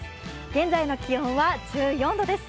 現在の気温は１４度です。